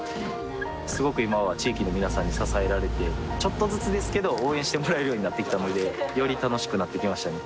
すごく今は地域の皆さんに支えられてちょっとずつですけど応援してもらえるようになってきたのでより楽しくなってきましたね